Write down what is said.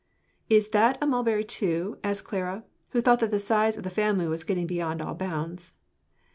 "Is that a mulberry too?" asked Clara, who thought that the size of the family was getting beyond all bounds.